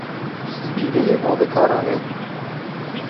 حیلهی نابکارانه